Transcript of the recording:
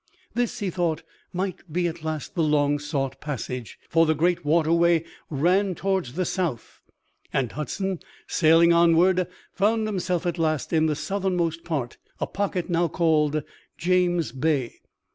This he thought might be at last the long sought passage, for the great waterway ran toward the south. And Hudson, sailing onward, found himself at last in its southernmost part a pocket now called James Bay.